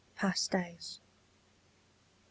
PAST DAYS. I.